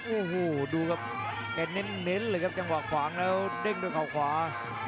อู้หู้ดูกับให้เน้นว่ากว้างและเด้งด้วยเขาขวา